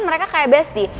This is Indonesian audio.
mereka kayak besti